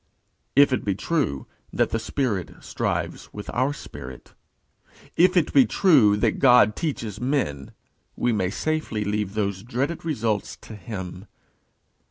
If it be true that the Spirit strives with our spirit; if it be true that God teaches men, we may safely leave those dreaded results to him.